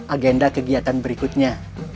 agenda kegiatan berikutnya